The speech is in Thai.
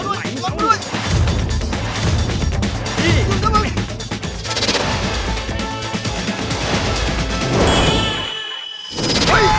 หยุดด้วย